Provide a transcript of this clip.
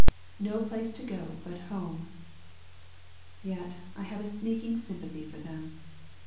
No place to go but home. Yet I have a sneaking sympathy for them.